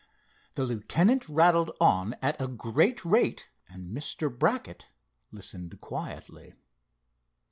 The lieutenant rattled on at a great rate and Mr. Brackett listened quietly.